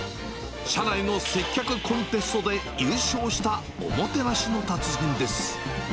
社内の接客コンテストで優勝したおもてなしの達人です。